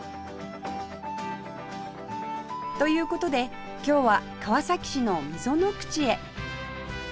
という事で今日は川崎市の溝の口へ